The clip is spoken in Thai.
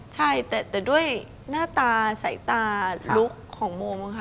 ใช่แต่ด้วยหน้าตาสายตาลุคของโมค่ะ